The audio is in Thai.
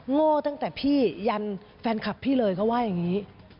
โง่ตั้งแต่พี่ยันแฟนคลับพี่เลยเขาว่าอย่างนี้